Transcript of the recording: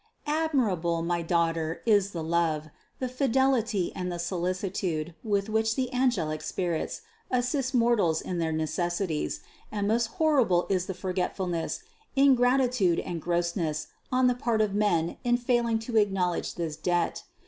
655. Admirable, my daughter, is the love, the fidelity and the solicitude with which the angelic spirits assist mortals in their necessities ; and most horrible is the for getfulness, ingratitude and grossness on the part of men in failing to acknowledge this debt.